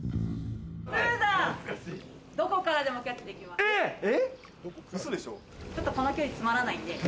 スーザン、どこからでもキャッチできます。